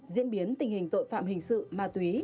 diễn biến tình hình tội phạm hình sự ma túy